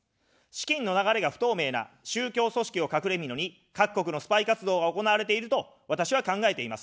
資金の流れが不透明な宗教組織を隠れみのに各国のスパイ活動が行われていると、私は考えています。